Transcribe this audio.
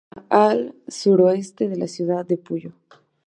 Se encuentra al sureste de la ciudad de Puyo.